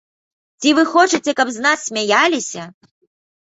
Ці вы хочаце, каб з нас смяяліся?